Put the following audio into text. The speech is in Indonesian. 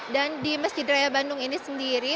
dan di masjid raya bandung ini sendiri